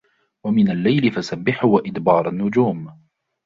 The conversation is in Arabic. وَمِنَ اللَّيْلِ فَسَبِّحْهُ وَإِدْبَارَ النُّجُومِ